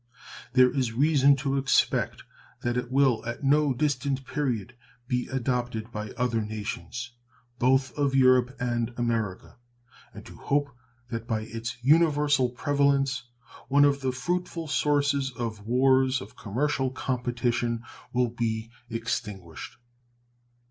There is reason to expect that it will at no distant period be adopted by other nations, both of Europe and America, and to hope that by its universal prevalence one of the fruitful sources of wars of commercial competition will be extinguished.